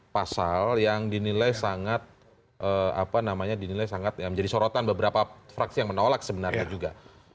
pasal yang dinilai sangat dinilai sangat menjadi sorotan beberapa fraksi yang menolak sebenarnya juga